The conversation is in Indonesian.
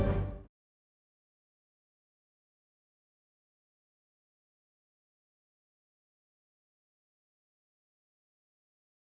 aku mau kemana